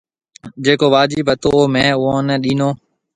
جڪو واجب هتو او ميه اُوئي نَي ڏينو۔